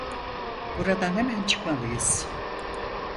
Buradan hemen çıkmalıyız.